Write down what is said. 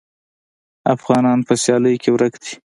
افغانان په سیالۍ کې ورک دي.